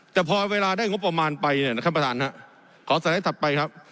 แต่พอเวลาได้งบประมาณไปเนี่ยนะครับท่านประธานฮะขอสไลด์ถัดไปครับ